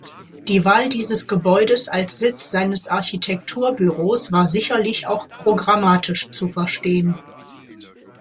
Die Wahl dieses Gebäudes als Sitz seines Architekturbüros war sicherlich auch programmatisch zu verstehen.